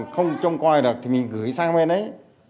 không trông coi được thì mình gửi sang bên ấy